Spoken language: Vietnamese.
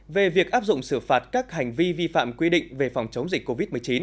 về việc áp dụng xử phạt các hành vi vi phạm quy định về phòng chống dịch covid một mươi chín